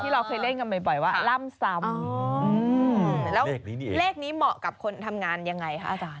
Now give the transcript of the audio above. แล้วเลขนี้เหมาะกับคนทำงานยังไงคะอาจารย์